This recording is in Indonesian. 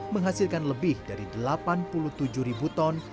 menghasilkan lebih dari delapan puluh tujuh ribu ton